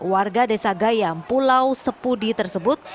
warga desa gayam pulau sepudi tersebut